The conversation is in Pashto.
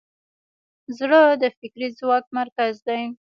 زړه د فکري ځواک مرکز دی.